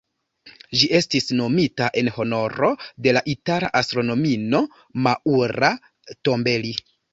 Ĝi estis nomita en honoro de la itala astronomino Maura Tombelli.